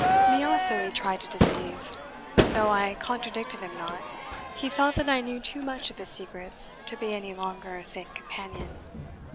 Me also he tried to deceive; but though I contradicted him not, he saw that I knew too much of his secrets to be any longer a safe companion.